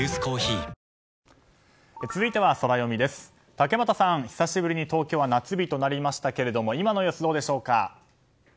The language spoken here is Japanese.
竹俣さん、久しぶりに東京は夏日となりましたが今の様子どうでしょうか。